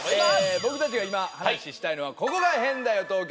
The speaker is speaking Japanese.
僕達が今話したいのはここが変だよ東京！